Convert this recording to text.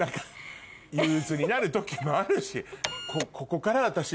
憂鬱になる時もあるし。